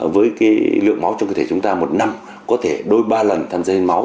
với lượng máu trong cơ thể chúng ta một năm có thể đôi ba lần tham gia hiến máu